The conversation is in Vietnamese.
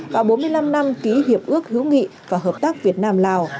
và bốn mươi năm năm ký hiệp ước hữu nghị và hợp tác việt nam lào